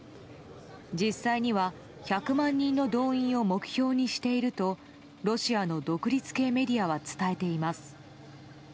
実際には１００万人の動員を目標にしているとロシアの独立系メディアは伝えています。